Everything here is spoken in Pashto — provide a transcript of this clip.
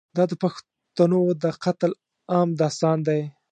دا د پښتنو د قتل عام داستان دی.